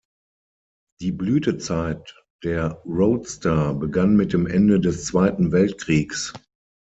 Die Blütezeit der Roadster begann mit dem Ende des Zweiten Weltkriegs.